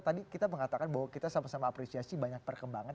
tadi kita mengatakan bahwa kita sama sama apresiasi banyak perkembangan